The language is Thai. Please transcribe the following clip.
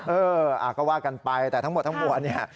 เออก็ว่ากันไปแต่ทั้งหมดนี่